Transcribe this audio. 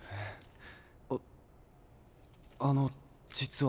あっあのじつは。